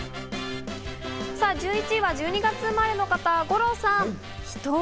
１１位は１２月生まれの方、五郎さん。